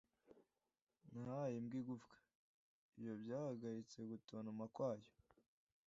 nahaye imbwa igufwa. ibyo byahagaritse gutontoma kwayo.